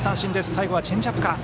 最後はチェンジアップか。